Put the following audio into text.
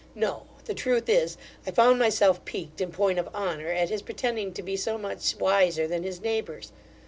No the truth is, I found myself piqued in point of honour, at his pretending to be so much wiser than his neighbours.